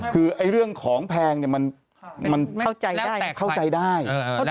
คือเรื่องของแพงเนี่ยมันเข้าใจได้